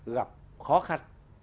gặp khó khăn